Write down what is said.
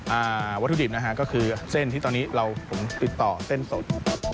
วัตถุดิบนะฮะก็คือเส้นที่ตอนนี้เราผมติดต่อเส้นสด